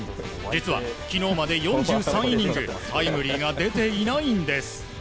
実は昨日まで４３イニングタイムリーが出ていないんです。